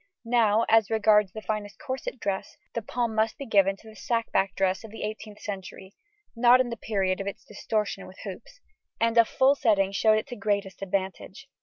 Now, as regards the finest corset dress, the palm must be given to the sack back dress of the eighteenth century (not in the period of its distortion with hoops), and a full setting showed it to greatest advantage.